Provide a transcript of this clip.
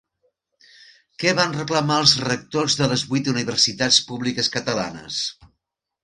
Què van reclamar els rectors de les vuit universitats públiques catalanes?